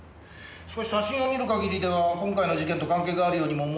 しかし写真を見る限りでは今回の事件と関係があるようにも思えんが。